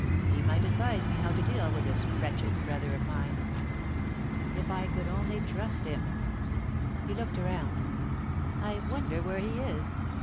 He might advise me how to deal with this wretched brother of mine. If I could only trust him?" He looked round. "I wonder where he is?